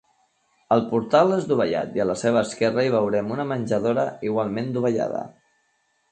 El portal és dovellat i a la seva esquerra hi veurem una menjadora igualment dovellada.